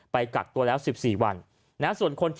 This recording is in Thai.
กักตัวแล้ว๑๔วัน